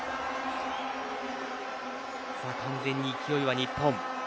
完全に勢いは日本。